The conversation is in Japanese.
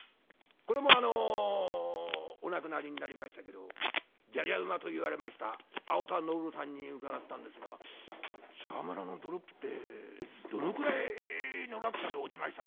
これもお亡くなりになりましたけど「じゃじゃ馬」と言われました青田昇さんに伺ったんですが「沢村のドロップってどのくらいの落差で落ちました？」。